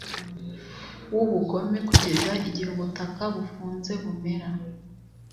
wubugome kugeza igihe ubutaka bufunze bumera